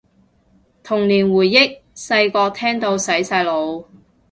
童年回憶，細個聽到洗晒腦